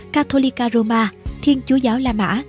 catholica roma thiên chúa giáo la mã